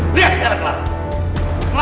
lihat sekarang clara